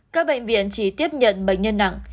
các bệnh viện chỉ tiếp nhận bệnh nhân nặng